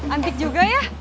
antik juga ya